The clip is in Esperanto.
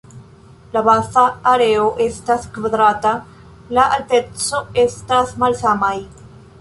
La baza areo estas kvadrata, la alteco estas malsamaj.